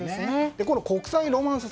この国際ロマンス